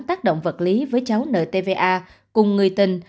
tác động vật lý với cháu nợ tva cùng người tình